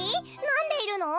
なんでいるの？